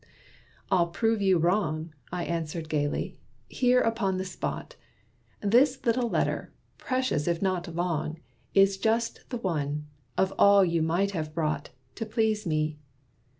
"I'll prove you wrong," I answered gayly, "here upon the spot! This little letter, precious if not long, Is just the one, of all you might have brought, To please me.